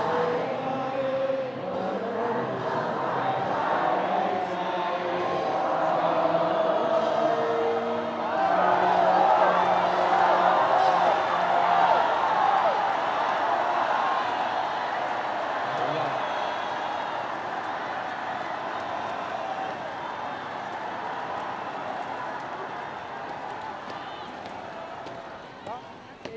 อันที่สุดท้าย